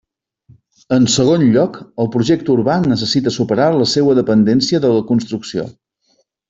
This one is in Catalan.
En segon lloc, el projecte urbà necessita superar la seua dependència de la construcció.